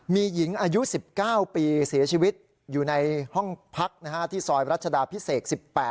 มีหญิงอายุ๑๙ปีเสียชีวิตอยู่ในห้องพักที่ซอยรัชดาพิเศษ๑๘